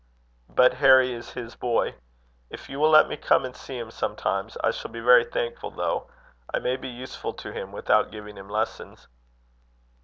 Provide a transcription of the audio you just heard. "But Harry is his boy. If you will let me come and see him sometimes, I shall be very thankful, though. I may be useful to him without giving him lessons."